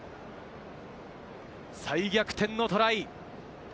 再逆転のトライ。